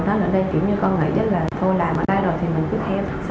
đó là kiểu như con nghĩ chắc là thôi làm ở đây rồi thì mình cứ theo